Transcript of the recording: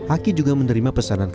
aki juga menerima pesanan